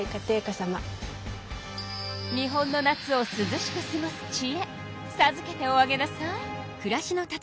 日本の夏をすずしくすごすちえさずけておあげなさい。